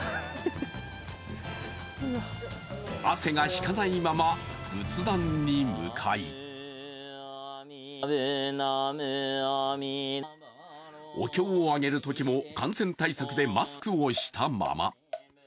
汗が引かないまま仏壇に向かいお経を上げるときも感染対策でマスクをしたまま。